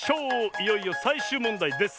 いよいよさいしゅうもんだいです！